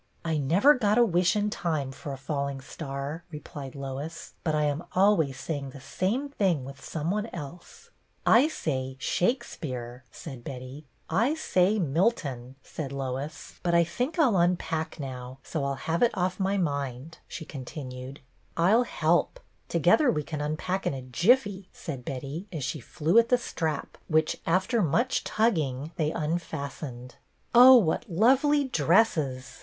" I never got a wish in time for a falling star," replied Lois, " but I am always saying the same thing with some one else." " I say ' Shakespeare, '" said Betty. " I say ' Milton,' " said Lois. " But I think 6 8z BETTY BAIRD I 'll unpack now, so I 'll have it off my mind," she continued. " I 'll help. Together we can unpack in a jiffy," said Betty, as she flew at the strap, which, after much tugging, they unfastened. " Oh, what lovely dresses!